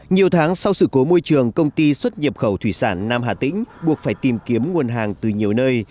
nhiều tháng sau sự cố môi trường công ty xuất nhập khẩu thủy sản nam hà tĩnh buộc phải tìm kiếm nguồn hàng từ nhiều nơi